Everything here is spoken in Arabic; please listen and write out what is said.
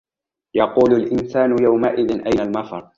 يَقُولُ الإِنسَانُ يَوْمَئِذٍ أَيْنَ الْمَفَرُّ